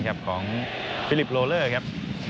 นะครับของหลายโรเว่ครับ